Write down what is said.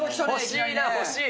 欲しいな、欲しい！